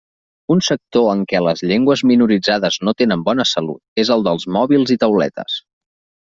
Un sector en què les llengües minoritzades no tenen bona salut és el dels mòbils i tauletes.